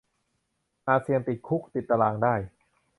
อาจเสี่ยงติดคุกติดตะรางได้